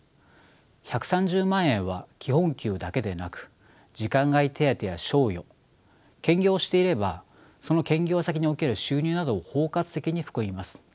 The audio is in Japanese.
１３０万円は基本給だけでなく時間外手当や賞与兼業をしていればその兼業先における収入などを包括的に含みます。